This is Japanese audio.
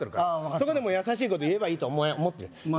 そこでもう優しいこと言えばいいとお前は思ってるまあ